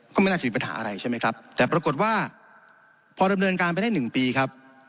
ก็ไม่น่าจะมีปัญหาอะไรใช่ไหมครับแต่ปรากฏว่าพอดำเนินการไปได้หนึ่งปีครับ